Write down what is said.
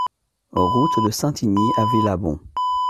Route de Saint-Igny à Villabon